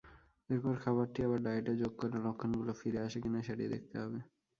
এরপর খাবারটি আবার ডায়েটে যোগ করে লক্ষণগুলো ফিরে আসে কি না সেটি দেখতে হবে।